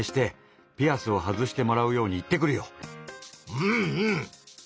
うんうん！